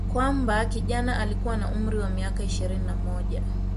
kwamba kijana huyo alikuwa na umri wa miaka ishirini na moja